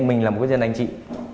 mình là một cái dân anh chị